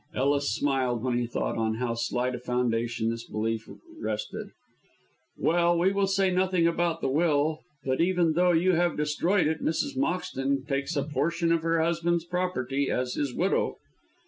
Ellis smiled when he thought on how slight a foundation this belief rested. "Well, we will say nothing about the will But even though you have destroyed it, Mrs. Moxton takes a great portion of her husband's property as his widow."